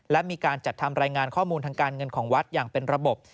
และมีการจัดทำรายงานข้อมูลทางการเงินของวัดอย่างเป็นระบบ